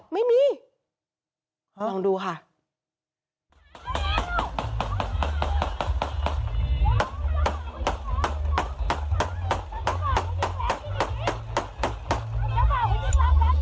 สวัสดีทุกคน